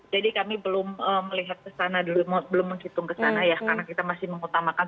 jadi kami belum melihat kesana dulu belum menghitung kesana ya karena kita masih mengutamakan